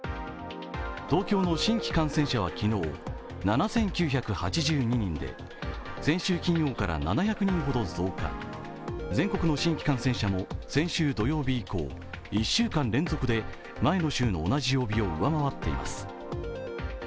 東京の新規感染者は昨日７９８２人で先週金曜から７００人ほど増加全国の新規感染者も先週土曜日以降、１週間連続で前の週の同じ曜日を上回っています。